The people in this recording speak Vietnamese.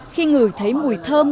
khi người thấy mùi thơm